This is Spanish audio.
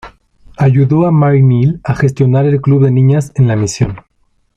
Ayudó a Mary Neal a gestionar el club de niñas en la misión.